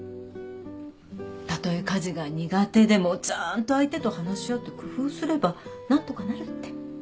たとえ家事が苦手でもちゃんと相手と話し合って工夫すれば何とかなるって。